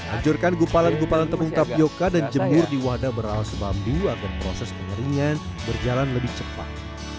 hancurkan gupalan gupalan tepung tapioca dan jemur di wadah beralas bambu agar proses pengeringan berjalan lebih cepat